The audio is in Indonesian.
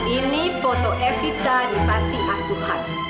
ini foto evita di panti asuhan